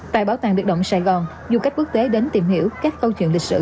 tại bảo tàng biệt động sài gòn du khách quốc tế đến tìm hiểu các câu chuyện lịch sử